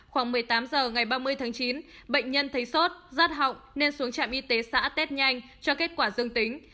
khoảng một mươi tám giờ ngày ba mươi tháng chín bệnh nhân thấy sốt rát họng nên xuống trạm y tế xã tết nhanh cho kết quả dương tính